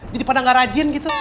jadi pada gak rajin gitu